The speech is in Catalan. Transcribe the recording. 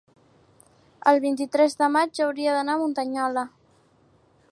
el vint-i-tres de maig hauria d'anar a Muntanyola.